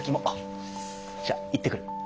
じゃ行ってくる。